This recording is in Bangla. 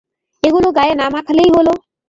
এগুলো গায়ে না মাখলেই হলো!